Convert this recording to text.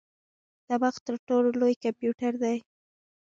دماغ تر ټولو لوی کمپیوټر دی.